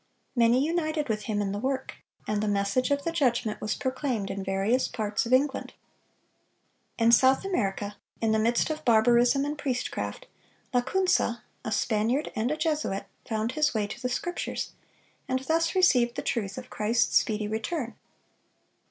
Many united with him in the work, and the message of the judgment was proclaimed in various parts of England. In South America, in the midst of barbarism and priestcraft, Lacunza, a Spaniard and a Jesuit, found his way to the Scriptures, and thus received the truth of Christ's speedy return.